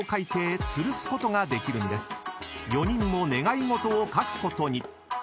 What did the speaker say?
［４人も願い事を書くことに］